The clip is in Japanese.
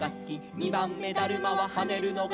「にばんめだるまははねるのがすき」